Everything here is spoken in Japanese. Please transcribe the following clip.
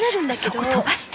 そこ飛ばして！